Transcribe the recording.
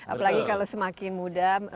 apalagi kalau semakin muda